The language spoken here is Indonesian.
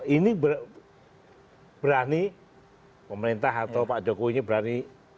ini berani pemerintah atau pak jokowi ini berani